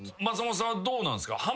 松本さんどうなんすか？